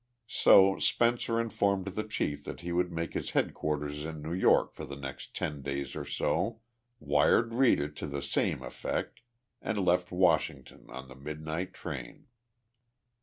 So Spencer informed the chief that he would make his headquarters in New York for the next ten days or so, wired Rita to the same effect, and left Washington on the midnight train.